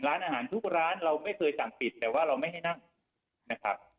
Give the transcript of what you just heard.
ร้านอาหารทุกร้านเราไม่เคยสั่งปิดแต่ว่าเราไม่ให้นั่งนะครับ